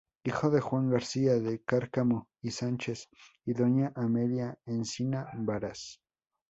Hijo de Juan García de Cárcamo y Sánchez y doña Amelia Encina Varas.